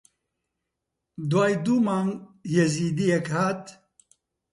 دوای دوو مانگ یەزیدییەک هات